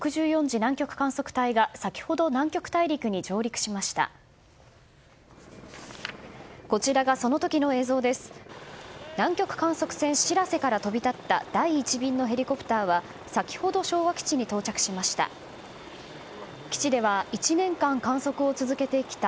南極観測船「しらせ」から飛び立った第１便のヘリコプターは先ほど昭和基地に到着しました。